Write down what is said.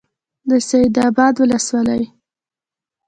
د سید آباد ولسوالۍ